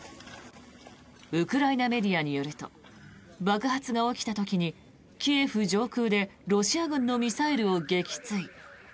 ウクライナメディアによると爆発が起きた時にキエフ上空でロシア軍のミサイルを撃墜。